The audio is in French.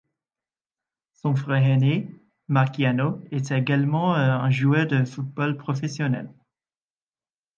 Son frère aîné, Marciano, est également un joueur de football professionnel.